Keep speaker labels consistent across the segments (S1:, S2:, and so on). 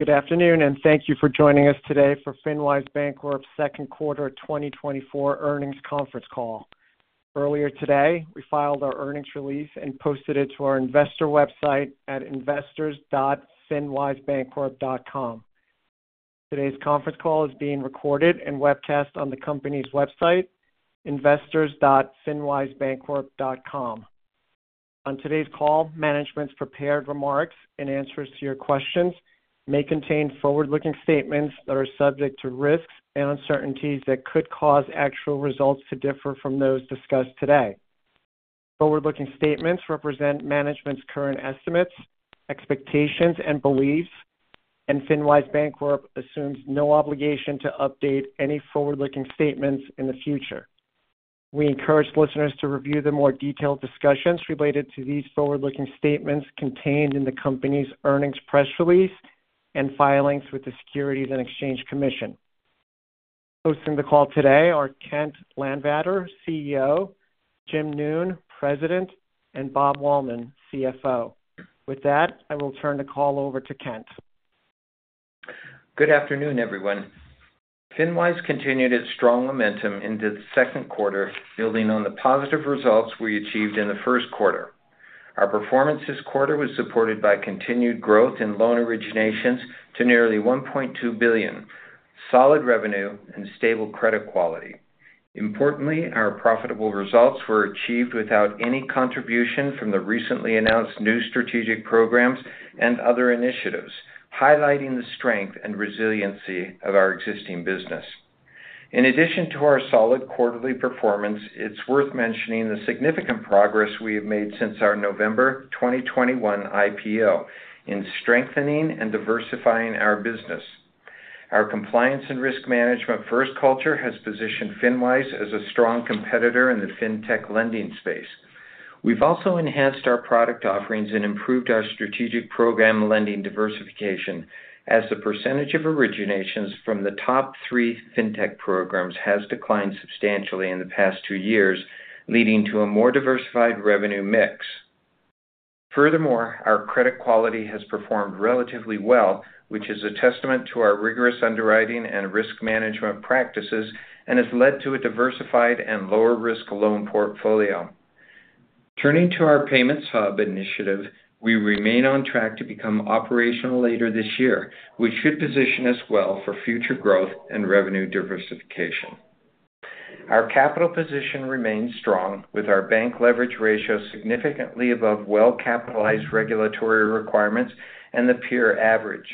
S1: Good afternoon, and thank you for joining us today for FinWise Bancorp's second quarter 2024 earnings conference call. Earlier today, we filed our earnings release and posted it to our investor website at investors.finwisebancorp.com. Today's conference call is being recorded and webcast on the company's website, investors.finwisebancorp.com. On today's call, management's prepared remarks and answers to your questions may contain forward-looking statements that are subject to risks and uncertainties that could cause actual results to differ from those discussed today. Forward-looking statements represent management's current estimates, expectations, and beliefs, and FinWise Bancorp assumes no obligation to update any forward-looking statements in the future. We encourage listeners to review the more detailed discussions related to these forward-looking statements contained in the company's earnings press release and filings with the Securities and Exchange Commission. Hosting the call today are Kent Landvatter, CEO, Jim Noone, President, and Bob Wahlman, CFO. With that, I will turn the call over to Kent.
S2: Good afternoon, everyone. FinWise continued its strong momentum into the second quarter, building on the positive results we achieved in the first quarter. Our performance this quarter was supported by continued growth in loan originations to nearly $1.2 billion, solid revenue, and stable credit quality. Importantly, our profitable results were achieved without any contribution from the recently announced new strategic programs and other initiatives, highlighting the strength and resiliency of our existing business. In addition to our solid quarterly performance, it's worth mentioning the significant progress we have made since our November 2021 IPO in strengthening and diversifying our business. Our compliance and risk management-first culture has positioned FinWise as a strong competitor in the fintech lending space. We've also enhanced our product offerings and improved our strategic program lending diversification, as the percentage of originations from the top three fintech programs has declined substantially in the past two years, leading to a more diversified revenue mix. Furthermore, our credit quality has performed relatively well, which is a testament to our rigorous underwriting and risk management practices and has led to a diversified and lower-risk loan portfolio. Turning to our Payments Hub initiative, we remain on track to become operational later this year, which should position us well for future growth and revenue diversification. Our capital position remains strong, with our Bank Leverage Ratio significantly above well-capitalized regulatory requirements and the peer average.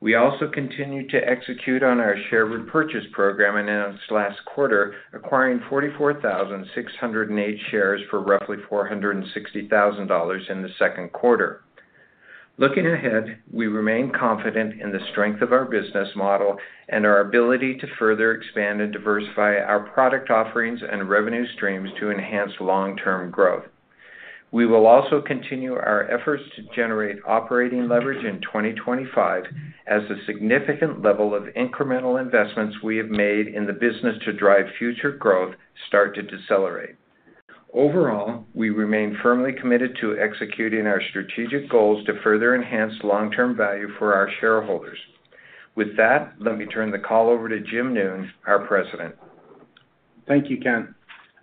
S2: We also continue to execute on our share repurchase program announced last quarter, acquiring 44,608 shares for roughly $460,000 in the second quarter. Looking ahead, we remain confident in the strength of our business model and our ability to further expand and diversify our product offerings and revenue streams to enhance long-term growth. We will also continue our efforts to generate operating leverage in 2025, as the significant level of incremental investments we have made in the business to drive future growth start to decelerate. Overall, we remain firmly committed to executing our strategic goals to further enhance long-term value for our shareholders. With that, let me turn the call over to Jim Noone, our President.
S3: Thank you, Kent.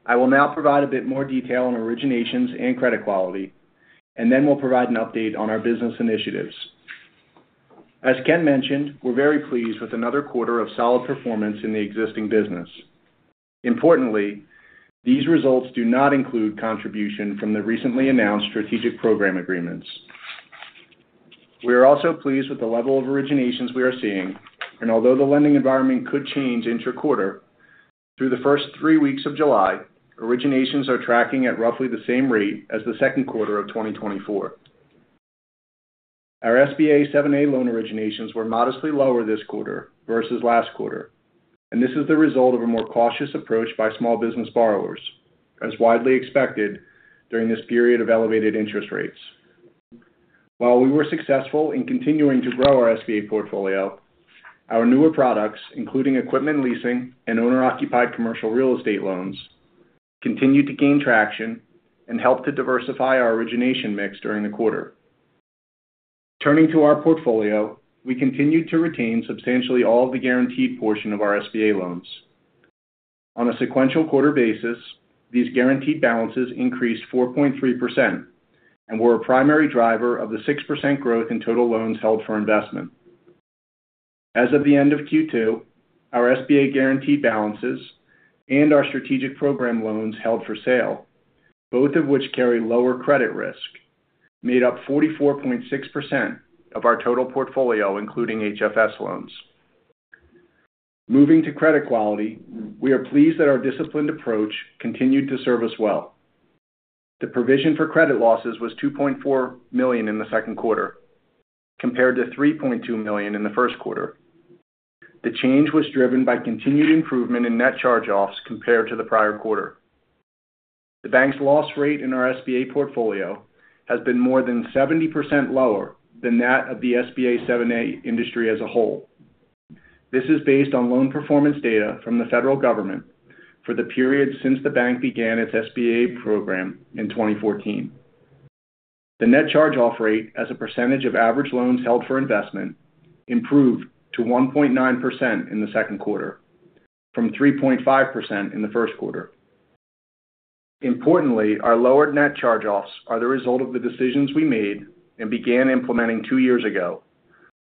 S3: I will now provide a bit more detail on originations and credit quality, and then we'll provide an update on our business initiatives. As Kent mentioned, we're very pleased with another quarter of solid performance in the existing business. Importantly, these results do not include contribution from the recently announced strategic program agreements. We are also pleased with the level of originations we are seeing, and although the lending environment could change intra-quarter, through the first three weeks of July, originations are tracking at roughly the same rate as the second quarter of 2024. Our SBA 7(a) loan originations were modestly lower this quarter versus last quarter, and this is the result of a more cautious approach by small business borrowers, as widely expected during this period of elevated interest rates. While we were successful in continuing to grow our SBA portfolio, our newer products, including equipment leasing and owner-occupied commercial real estate loans, continued to gain traction and helped to diversify our origination mix during the quarter. Turning to our portfolio, we continued to retain substantially all of the guaranteed portion of our SBA loans. On a sequential quarter basis, these guaranteed balances increased 4.3% and were a primary driver of the 6% growth in total loans held for investment. As of the end of Q2, our SBA guaranteed balances and our strategic program loans held for sale, both of which carry lower credit risk, made up 44.6% of our total portfolio, including HFS loans. Moving to credit quality, we are pleased that our disciplined approach continued to serve us well. The provision for credit losses was $2.4 million in the second quarter, compared to $3.2 million in the first quarter. The change was driven by continued improvement in net charge-offs compared to the prior quarter. The bank's loss rate in our SBA portfolio has been more than 70% lower than that of the SBA 7(a) industry as a whole. This is based on loan performance data from the federal government for the period since the bank began its SBA program in 2014. The net charge-off rate, as a percentage of average loans held for investment, improved to 1.9% in the second quarter, from 3.5% in the first quarter. Importantly, our lowered net charge-offs are the result of the decisions we made and began implementing two years ago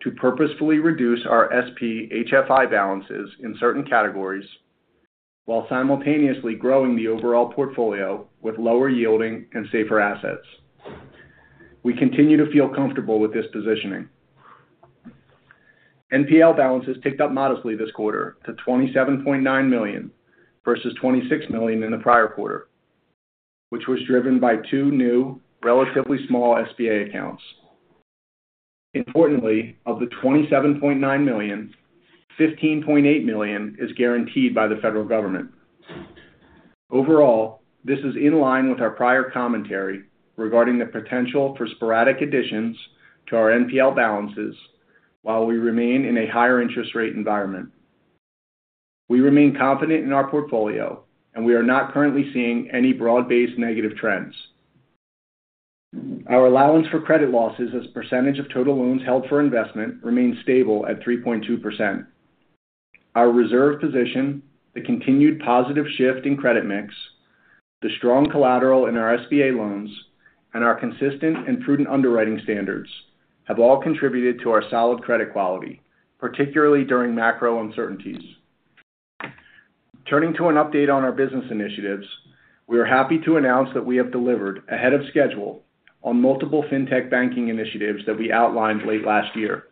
S3: to purposefully reduce our SP HFI balances in certain categories while simultaneously growing the overall portfolio with lower-yielding and safer assets. We continue to feel comfortable with this positioning. NPL balances ticked up modestly this quarter to $27.9 million versus $26 million in the prior quarter, which was driven by two new, relatively small SBA accounts. Importantly, of the $27.9 million, $15.8 million is guaranteed by the federal government. Overall, this is in line with our prior commentary regarding the potential for sporadic additions to our NPL balances while we remain in a higher interest rate environment. We remain confident in our portfolio, and we are not currently seeing any broad-based negative trends. Our allowance for credit losses as a percentage of total loans held for investment remains stable at 3.2%. Our reserve position, the continued positive shift in credit mix, the strong collateral in our SBA loans, and our consistent and prudent underwriting standards have all contributed to our solid credit quality, particularly during macro uncertainties. Turning to an update on our business initiatives, we are happy to announce that we have delivered ahead of schedule on multiple fintech banking initiatives that we outlined late last year.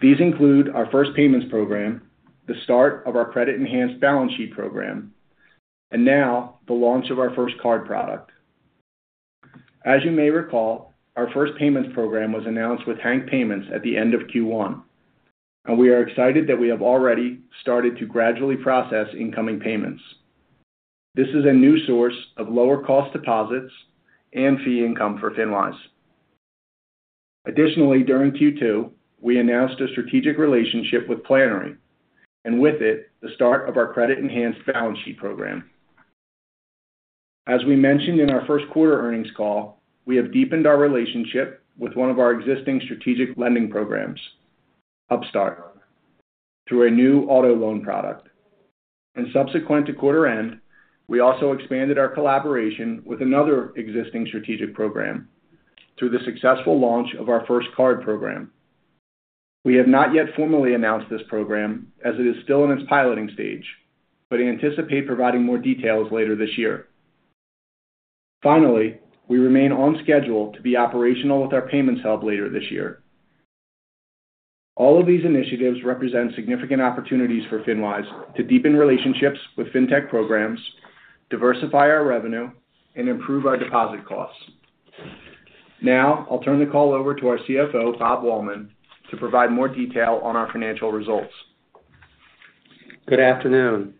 S3: These include our first payments program, the start of our credit-enhanced balance sheet program, and now the launch of our first card product. As you may recall, our first payments program was announced with Hank Payments at the end of Q1, and we are excited that we have already started to gradually process incoming payments. This is a new source of lower-cost deposits and fee income for FinWise. Additionally, during Q2, we announced a strategic relationship with Plannery, and with it, the start of our credit-enhanced balance sheet program. As we mentioned in our first quarter earnings call, we have deepened our relationship with one of our existing strategic lending programs, Upstart, through a new auto loan product. Subsequent to quarter-end, we also expanded our collaboration with another existing strategic program through the successful launch of our first card program. We have not yet formally announced this program, as it is still in its piloting stage, but anticipate providing more details later this year. Finally, we remain on schedule to be operational with our Payments Hub later this year. All of these initiatives represent significant opportunities for FinWise to deepen relationships with fintech programs, diversify our revenue, and improve our deposit costs. Now, I'll turn the call over to our CFO, Bob Wahlman, to provide more detail on our financial results.
S4: Good afternoon.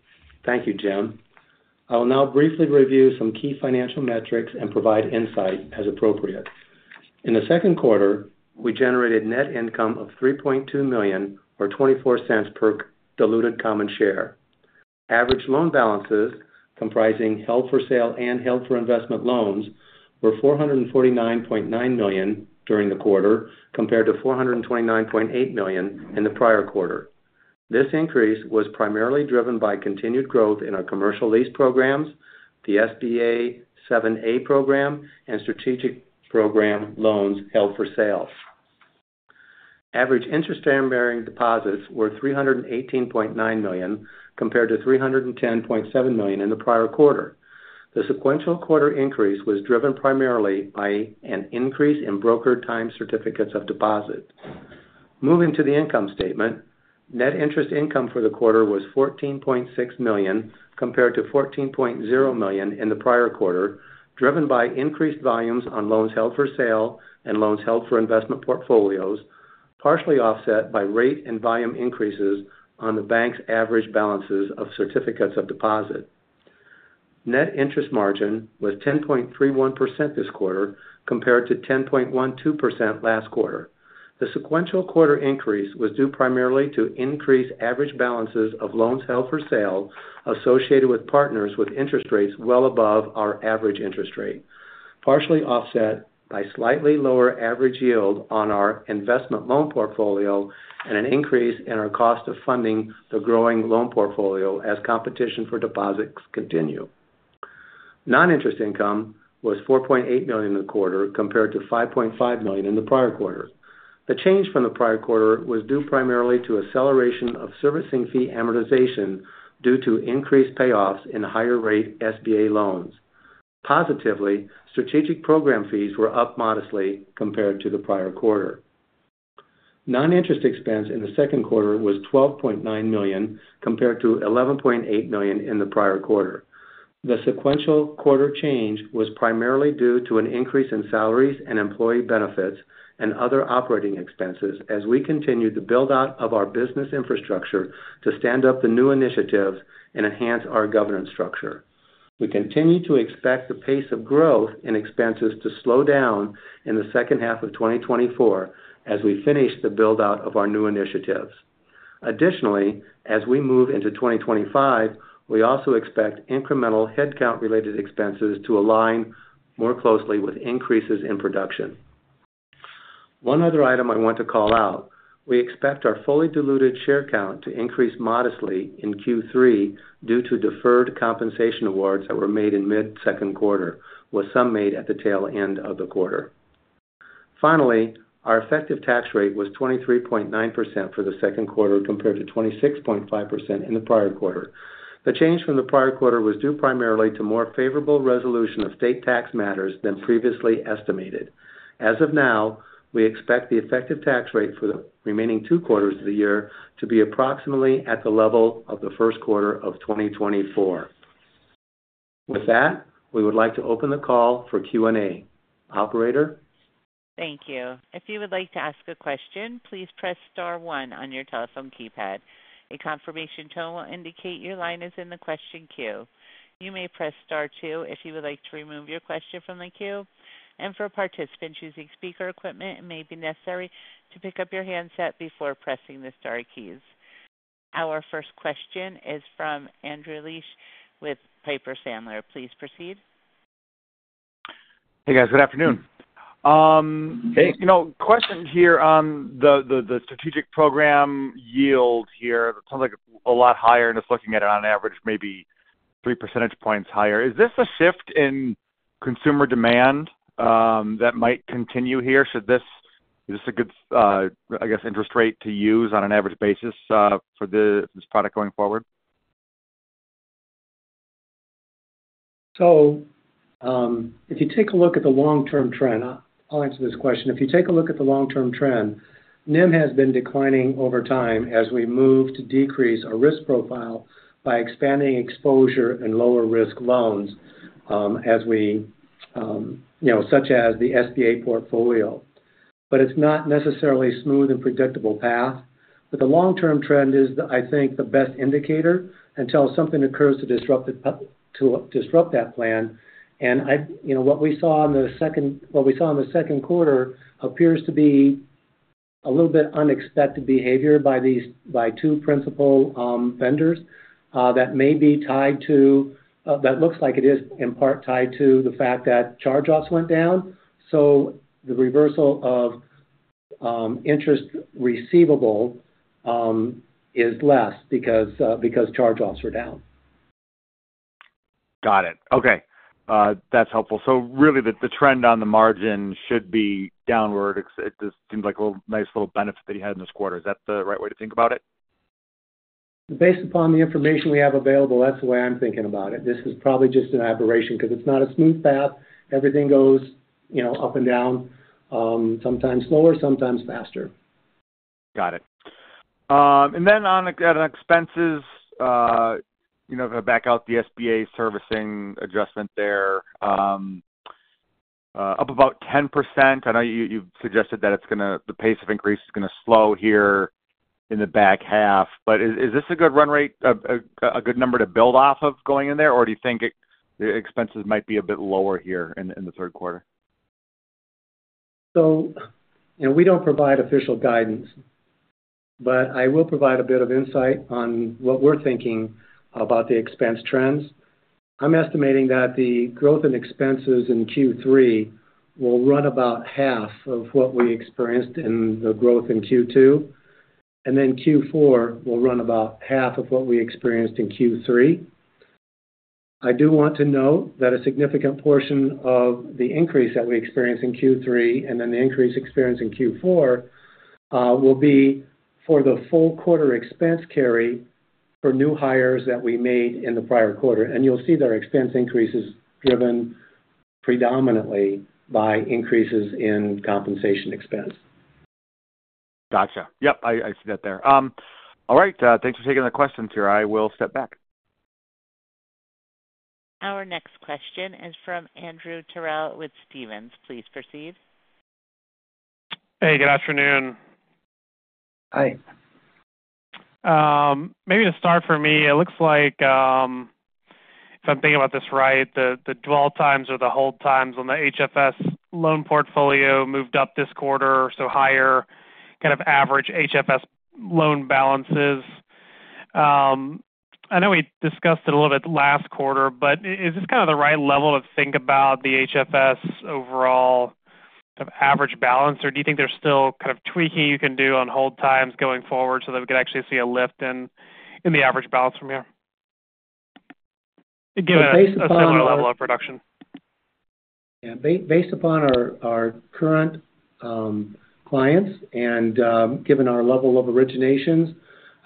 S4: Thank you, Jim. I will now briefly review some key financial metrics and provide insight as appropriate. In the second quarter, we generated net income of $3.2 million, or $0.24 per diluted common share. Average loan balances comprising held-for-sale and held-for-investment loans were $449.9 million during the quarter, compared to $429.8 million in the prior quarter. This increase was primarily driven by continued growth in our commercial lease programs, the SBA 7(a) program, and strategic program loans held for sale. Average interest-bearing deposits were $318.9 million, compared to $310.7 million in the prior quarter. The sequential quarter increase was driven primarily by an increase in brokered time certificates of deposit. Moving to the income statement, net interest income for the quarter was $14.6 million, compared to $14.0 million in the prior quarter, driven by increased volumes on loans held for sale and loans held for investment portfolios, partially offset by rate and volume increases on the bank's average balances of certificates of deposit. Net interest margin was 10.31% this quarter, compared to 10.12% last quarter. The sequential quarter increase was due primarily to increased average balances of loans held for sale associated with partners with interest rates well above our average interest rate, partially offset by slightly lower average yield on our investment loan portfolio and an increase in our cost of funding the growing loan portfolio as competition for deposits continue. Non-interest income was $4.8 million in the quarter, compared to $5.5 million in the prior quarter. The change from the prior quarter was due primarily to acceleration of servicing fee amortization due to increased payoffs in higher-rate SBA loans. Positively, strategic program fees were up modestly compared to the prior quarter. Noninterest expense in the second quarter was $12.9 million, compared to $11.8 million in the prior quarter. The sequential quarter change was primarily due to an increase in salaries and employee benefits and other operating expenses as we continued the build-out of our business infrastructure to stand up the new initiatives and enhance our governance structure. We continue to expect the pace of growth in expenses to slow down in the second half of 2024 as we finish the build-out of our new initiatives. Additionally, as we move into 2025, we also expect incremental headcount-related expenses to align more closely with increases in production. One other item I want to call out: we expect our fully diluted share count to increase modestly in Q3 due to deferred compensation awards that were made in mid-second quarter, with some made at the tail end of the quarter. Finally, our effective tax rate was 23.9% for the second quarter, compared to 26.5% in the prior quarter. The change from the prior quarter was due primarily to more favorable resolution of state tax matters than previously estimated. As of now, we expect the effective tax rate for the remaining two quarters of the year to be approximately at the level of the first quarter of 2024. With that, we would like to open the call for Q&A. Operator.
S5: Thank you. If you would like to ask a question, please press star one on your telephone keypad. A confirmation tone will indicate your line is in the question queue. You may press star two if you would like to remove your question from the queue. And for participants using speaker equipment, it may be necessary to pick up your handset before pressing the star keys. Our first question is from Andrew Liesch with Piper Sandler. Please proceed.
S6: Hey, guys. Good afternoon.
S2: Hey.
S6: You know, question here on the strategic program yield here. It sounds like it's a lot higher, and just looking at it on average, maybe 3% points higher. Is this a shift in consumer demand that might continue here? Should this, is this a good, I guess, interest rate to use on an average basis for this product going forward?
S2: So if you take a look at the long-term trend, I'll answer this question. If you take a look at the long-term trend, NIM has been declining over time as we move to decrease our risk profile by expanding exposure and lower-risk loans as we, you know, such as the SBA portfolio. But it's not necessarily a smooth and predictable path. But the long-term trend is, I think, the best indicator until something occurs to disrupt that plan. And I, you know, what we saw in the second, what we saw in the second quarter appears to be a little bit unexpected behavior by these, by two principal vendors that may be tied to, that looks like it is in part tied to the fact that charge-offs went down. So the reversal of interest receivable is less because charge-offs were down.
S6: Got it. Okay. That's helpful. So really, the trend on the margin should be downward. It just seems like a little nice little benefit that you had in this quarter. Is that the right way to think about it?
S2: Based upon the information we have available, that's the way I'm thinking about it. This is probably just an aberration because it's not a smooth path. Everything goes, you know, up and down, sometimes slower, sometimes faster.
S6: Got it. And then on expenses, you know, if I back out the SBA servicing adjustment there, up about 10%. I know you've suggested that it's going to, the pace of increase is going to slow here in the back half. But is this a good run rate, a good number to build off of going in there, or do you think the expenses might be a bit lower here in the third quarter?
S2: So, you know, we don't provide official guidance, but I will provide a bit of insight on what we're thinking about the expense trends. I'm estimating that the growth in expenses in Q3 will run about half of what we experienced in the growth in Q2. And then Q4 will run about half of what we experienced in Q3. I do want to note that a significant portion of the increase that we experienced in Q3 and then the increase experienced in Q4 will be for the full quarter expense carry for new hires that we made in the prior quarter. And you'll see that our expense increase is driven predominantly by increases in compensation expense.
S6: Gotcha. Yep, I see that there. All right. Thanks for taking the questions here. I will step back.
S5: Our next question is from Andrew Terrell with Stephens. Please proceed.
S7: Hey, good afternoon.
S2: Hi.
S7: Maybe to start for me, it looks like, if I'm thinking about this right, the dwell times or the hold times on the HFS loan portfolio moved up this quarter, so higher kind of average HFS loan balances. I know we discussed it a little bit last quarter, but is this kind of the right level to think about the HFS overall kind of average balance, or do you think there's still kind of tweaking you can do on hold times going forward so that we could actually see a lift in the average balance from here? Given the similar level of production?
S2: Yeah. Based upon our current clients and given our level of originations,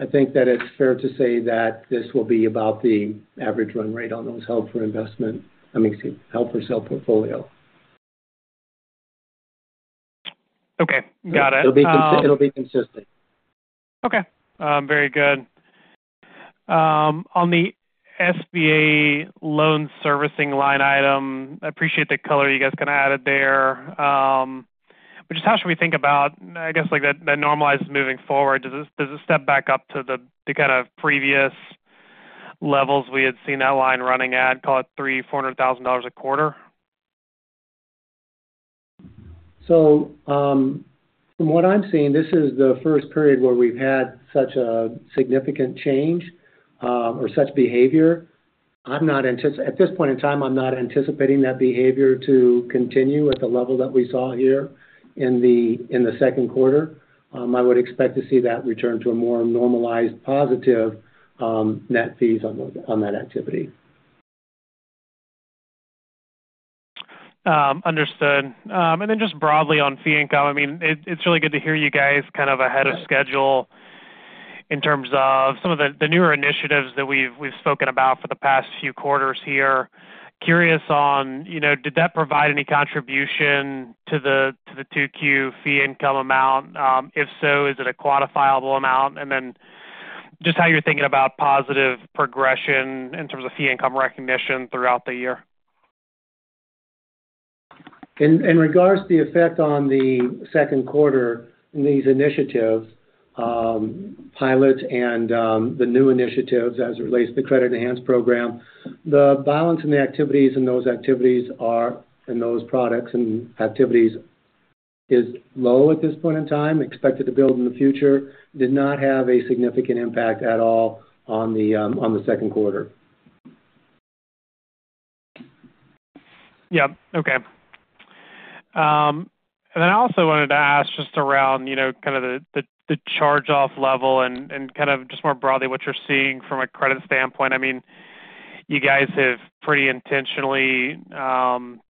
S2: I think that it's fair to say that this will be about the average run rate on those held-for-investment, I mean, excuse me, held-for-sale portfolio.
S6: Okay. Got it.
S2: It'll be consistent.
S7: Okay. Very good. On the SBA loan servicing line item, I appreciate the color you guys kind of added there. But just how should we think about, I guess, like that normalizes moving forward? Does it step back up to the kind of previous levels we had seen that line running at, call it $300,000-$400,000 a quarter?
S2: So from what I'm seeing, this is the first period where we've had such a significant change or such behavior. I'm not, at this point in time, I'm not anticipating that behavior to continue at the level that we saw here in the second quarter. I would expect to see that return to a more normalized positive net fees on that activity.
S7: Understood. And then just broadly on fee income, I mean, it's really good to hear you guys kind of ahead of schedule in terms of some of the newer initiatives that we've spoken about for the past few quarters here. Curious on, you know, did that provide any contribution to the 2Q fee income amount? If so, is it a quantifiable amount? And then just how you're thinking about positive progression in terms of fee income recognition throughout the year.
S2: In regards to the effect on the second quarter in these initiatives, pilots and the new initiatives as it relates to the credit-enhanced program, the balance in the activities and those activities and those products and activities is low at this point in time, expected to build in the future, did not have a significant impact at all on the second quarter.
S7: Yep. Okay. And then I also wanted to ask just around, you know, kind of the charge-off level and kind of just more broadly what you're seeing from a credit standpoint. I mean, you guys have pretty intentionally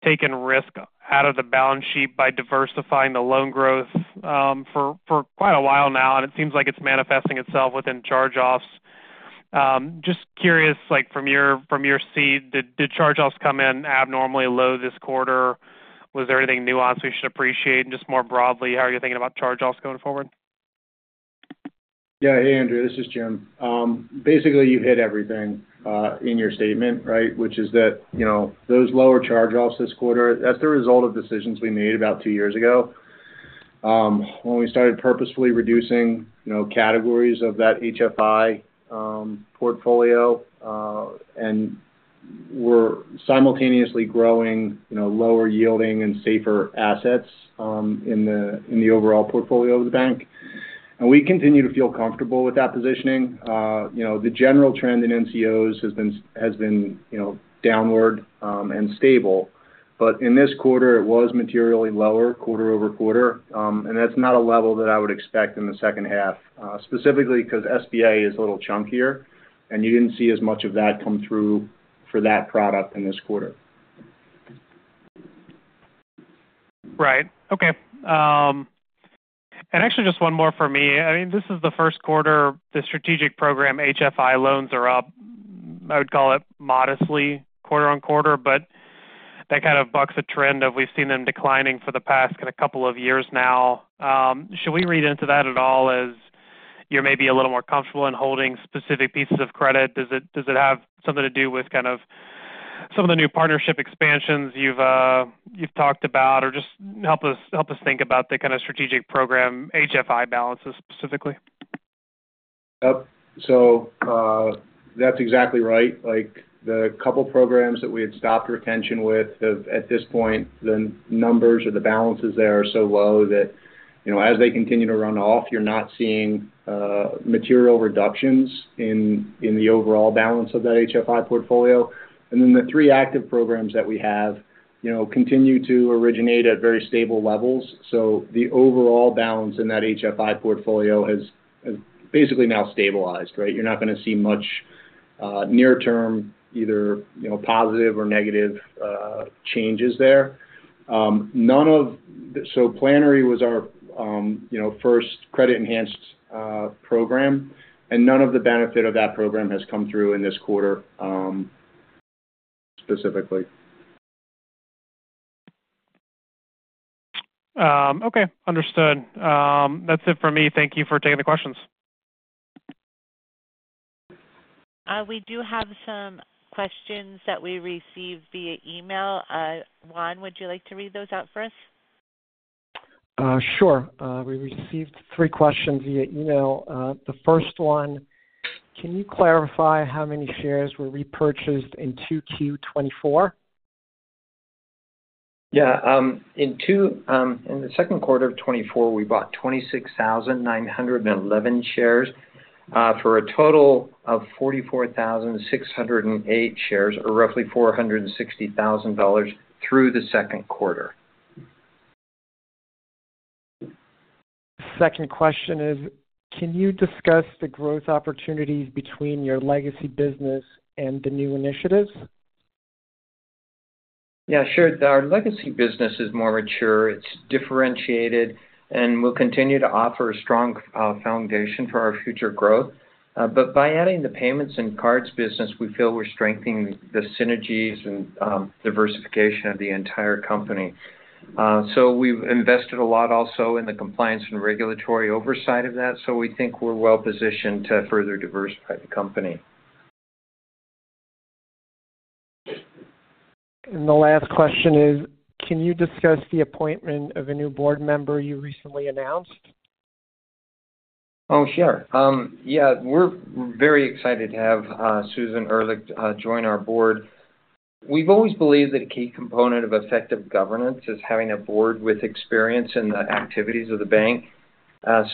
S7: taken risk out of the balance sheet by diversifying the loan growth for quite a while now, and it seems like it's manifesting itself within charge-offs. Just curious, like from your seat, did charge-offs come in abnormally low this quarter? Was there anything nuanced we should appreciate? And just more broadly, how are you thinking about charge-offs going forward?
S3: Yeah. Hey, Andrew. This is Jim. Basically, you hit everything in your statement, right, which is that, you know, those lower charge-offs this quarter, that's the result of decisions we made about two years ago when we started purposefully reducing, you know, categories of that HFI portfolio and were simultaneously growing, you know, lower yielding and safer assets in the overall portfolio of the bank. And we continue to feel comfortable with that positioning. You know, the general trend in NCOs has been, you know, downward and stable. But in this quarter, it was materially lower quarter-over-quarter. And that's not a level that I would expect in the second half, specifically because SBA is a little chunkier, and you didn't see as much of that come through for that product in this quarter.
S7: Right. Okay. And actually, just one more for me. I mean, this is the first quarter, the strategic program HFI loans are up. I would call it modestly quarter-over-quarter, but that kind of bucks a trend that we've seen them declining for the past kind of couple of years now. Should we read into that at all as you're maybe a little more comfortable in holding specific pieces of credit? Does it have something to do with kind of some of the new partnership expansions you've talked about or just help us think about the kind of strategic program HFI balances specifically?
S3: Yep. So that's exactly right. Like the couple programs that we had stopped retention with, at this point, the numbers or the balances there are so low that, you know, as they continue to run off, you're not seeing material reductions in the overall balance of that HFI portfolio. And then the three active programs that we have, you know, continue to originate at very stable levels. So the overall balance in that HFI portfolio has basically now stabilized, right? You're not going to see much near-term, either, you know, positive or negative changes there. So Plannery was our, you know, first credit-enhanced program, and none of the benefit of that program has come through in this quarter specifically.
S7: Okay. Understood. That's it for me. Thank you for taking the questions.
S5: We do have some questions that we received via email. Juan, would you like to read those out for us?
S1: Sure. We received three questions via email. The first one, can you clarify how many shares were repurchased in 2Q 2024?
S2: Yeah. In the second quarter of 2024, we bought 26,911 shares for a total of 44,608 shares or roughly $460,000 through the second quarter.
S1: Second question is, can you discuss the growth opportunities between your legacy business and the new initiatives?
S2: Yeah, sure. Our legacy business is more mature. It's differentiated and will continue to offer a strong foundation for our future growth. But by adding the payments and cards business, we feel we're strengthening the synergies and diversification of the entire company. So we've invested a lot also in the compliance and regulatory oversight of that. So we think we're well positioned to further diversify the company.
S1: The last question is, can you discuss the appointment of a new board member you recently announced?
S2: Oh, sure. Yeah. We're very excited to have Susan Ehrlich join our board. We've always believed that a key component of effective governance is having a board with experience in the activities of the bank.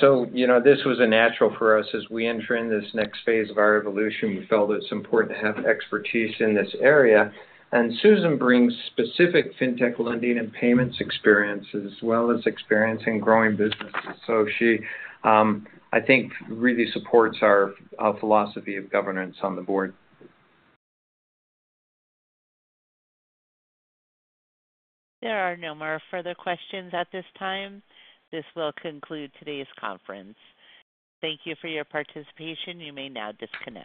S2: So, you know, this was a natural for us as we enter in this next phase of our evolution. We felt it's important to have expertise in this area. And Susan brings specific fintech lending and payments experience as well as experience in growing businesses. So she, I think, really supports our philosophy of governance on the board.
S5: There are no more further questions at this time. This will conclude today's conference. Thank you for your participation. You may now disconnect.